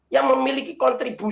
yang memiliki kontribusi